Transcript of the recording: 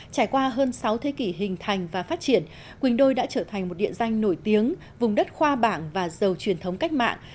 trải qua hơn sáu thế kỷ hình thành và phát triển quỳnh đôi đã trở thành một địa danh nổi tiếng vùng đất khoa bảng và giàu truyền thống cách mạng